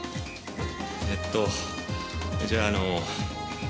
えっとじゃああの。